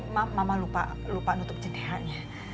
mama lupa nutup cendera nya